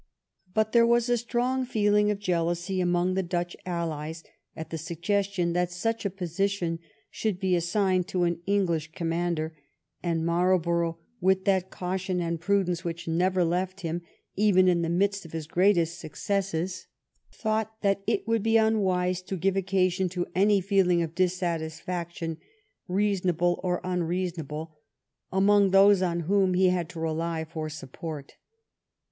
But there was a strong feeling of jeal ousy among the Dutch allies at the suggestion that such a position should be assigned to an English com mander, and Marlborough, with that caution and pru dence which never left him even in the midst of his greatest successes, thought that it would be unwise to give occasion to any feeling of dissatisfaction, reason able or unreasonable, among those on whom he had to rely for support.